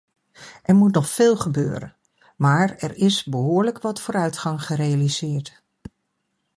Er moet nog veel gebeuren maar er is behoorlijk wat vooruitgang gerealiseerd.